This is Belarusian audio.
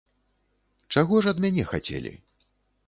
Чаго ж ад мяне хацелі?